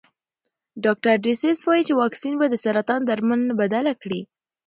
ډاکټر ډسیس وايي واکسین به د سرطان درملنه بدله کړي.